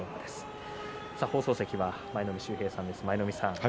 放送席は舞の海秀平さんです。